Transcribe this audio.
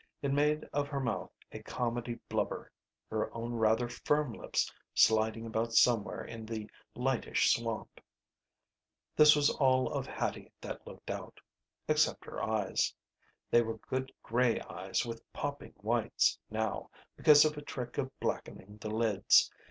It made of her mouth a comedy blubber, her own rather firm lips sliding about somewhere in the lightish swamp. That was all of Hattie that looked out. Except her eyes. They were good gray eyes with popping whites now, because of a trick of blackening the lids.